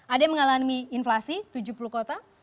ada yang mengalami inflasi tujuh puluh kota